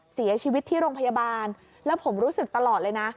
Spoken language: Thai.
เสียชีวิตที่โรงพยาบาลแล้วผมรู้สึกตลอดเลยนะ